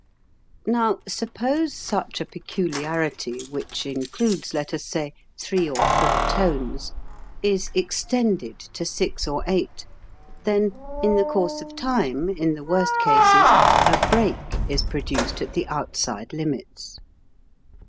Now, suppose such a peculiarity, which in cludes, let us say, three or four tones, is ex tended to six or eight, then, in the course of time, in the worst cases, a break is produced at the outside limits.